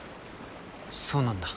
そうなんだ。